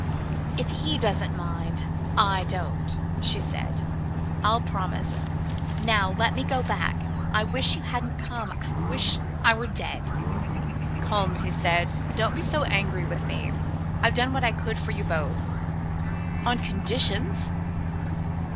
"If he doesn't mind, I don't," she said. "I'll promise. Now let me go back. I wish you hadn't come I wish I was dead." "Come," he said, "don't be so angry with me. I've done what I could for you both." "On conditions!"